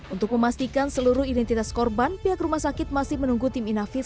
untuk memastikan seluruh identitas korban pihak rumah sakit masih menunggu tim inafis